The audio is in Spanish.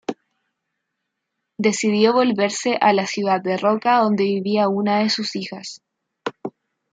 Decidió volverse a la ciudad de Roca, donde vivía una de sus hijas.